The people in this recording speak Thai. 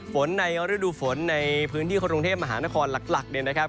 ฝนในฤดูฝนในพื้นที่กรุงเทพมหานครหลักเนี่ยนะครับ